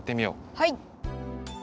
はい！